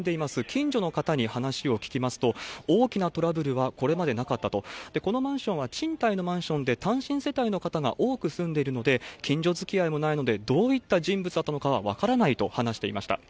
近所の方に話を聞きますと、大きなトラブルはこれまでなかったと、このマンションは賃貸のマンションで、単身世帯の方が多く住んでいるので、近所づきあいもないので、どういった人物だったのかは分からないと話していました。